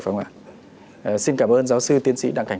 phải không ạ